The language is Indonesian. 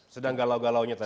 sedang galau galaunya tadi